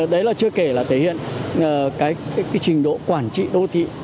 đấy là chưa kể là thể hiện cái trình độ quản trị đô thị